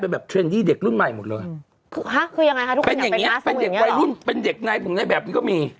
เป็นยังไงวัยรุ่นเป็นเด็กไหนปรับมือนี้ก็มี